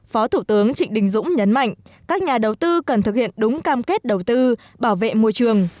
phó thủ tướng trịnh đình dũng nhấn mạnh các nhà đầu tư cần thực hiện đúng cam kết đầu tư bảo vệ môi trường